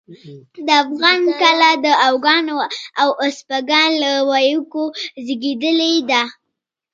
د افغان کله د اوگان او اسپاگان له ويوکو زېږېدلې ده